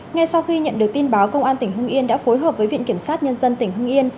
ngay sau khi nhận được tin báo công an tp hương yên đã phối hợp với viện kiểm sát nhân dân tp hương yên